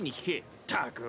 ったく。